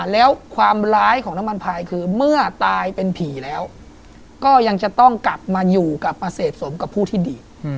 แล้วความร้ายของน้ำมันพายคือเมื่อตายเป็นผีแล้วก็ยังจะต้องกลับมาอยู่กับประเสพสมกับผู้ที่ดี